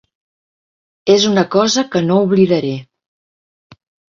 És una cosa que no oblidaré.